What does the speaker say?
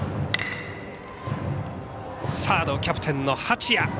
サード、キャプテンの八谷。